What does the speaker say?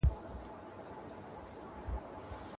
شاه محمود د خیانت کوونکو کسان سزا ورکړه.